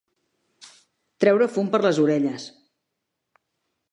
Treure fum per les orelles.